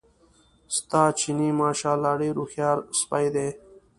ستا چیني ماشاءالله ډېر هوښیار سپی دی.